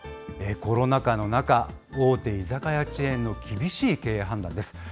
コロナ禍の中、大手居酒屋チェーンの厳しい経営判断です。